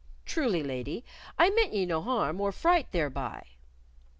Truly, lady, I meant ye no harm or fright thereby."